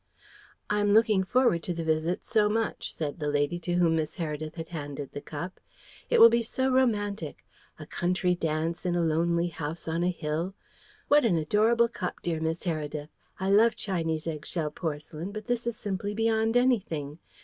"I am looking forward to the visit so much," said the lady to whom Miss Heredith had handed the cup. "It will be so romantic a country dance in a lonely house on a hill. What an adorable cup, dear Miss Heredith! I love Chinese egg shell porcelain, but this is simply beyond anything!